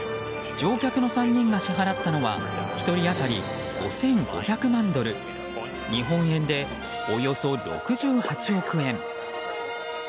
乗客の３人が支払ったのは１人当たり５５００万ドル日本円でおよそ６８億円。